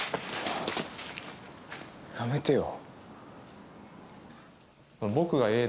やめてよ。